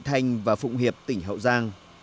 vị thành và phụng hiệp tỉnh hậu giang